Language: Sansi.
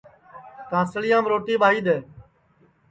تانٚسݪیام روٹی ٻائھی دؔے